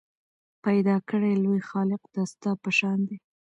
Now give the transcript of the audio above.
پیدا کړی لوی خالق دا ستا په شان دی